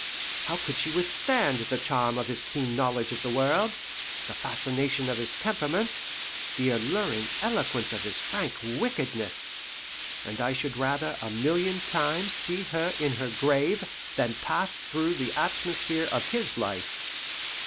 How could she withstand the charm of his keen knowledge of the world, the fascination of his temperament, the alluring eloquence of his frank wickedness? And I should rather a million times see her in her grave than passed through the atmosphere of his life.